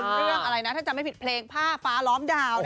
เรื่องอะไรนะถ้าจำไม่ผิดเพลงผ้าฟ้าล้อมดาว